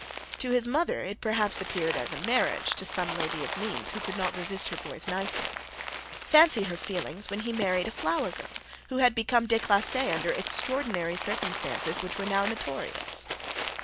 To his mother it perhaps appeared as a marriage to some lady of means who could not resist her boy's niceness. Fancy her feelings when he married a flower girl who had become declassee under extraordinary circumstances which were now notorious!